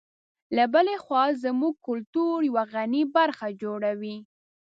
له بلې خوا زموږ کلتور یوه غني برخه جوړوي.